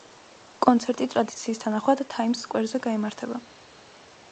კონცერტი, ტრადიციის თანახმად, თაიმს სკვერზე გაიმართება.